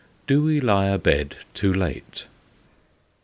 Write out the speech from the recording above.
DO WE LIE A BED TOO LATE?